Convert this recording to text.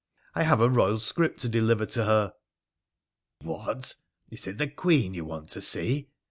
I have a Eoyal script to deliver to her.' ' What, is it the Queen you want to see